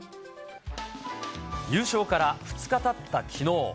優勝から２日たったきのう。